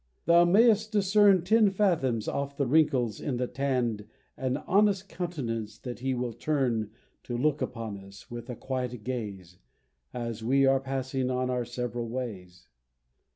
Thou may'st discern Ten fathoms off the wrinkles in the tann'd And honest countenance that he will turn To look upon us, with a quiet gaze As we are passing on our several ways.